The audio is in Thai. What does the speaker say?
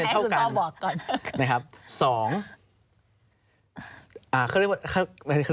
โอเคค่ะให้คุณพ่อบอกก่อน